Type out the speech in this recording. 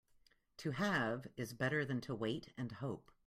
To have is better than to wait and hope.